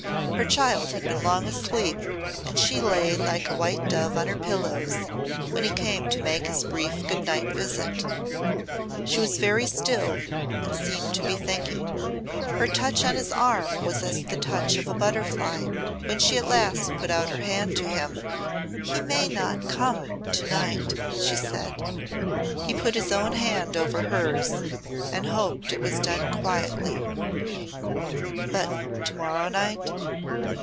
Her child had been long asleep and she lay like a white dove on her pillows when he came to make his brief good night visit. She was very still and seemed to be thinking. Her touch on his arm was as the touch of a butterfly when she at last put out her hand to him. "He may not come to night," she said. He put his own hand over hers and hoped it was done quietly. "But to morrow night?"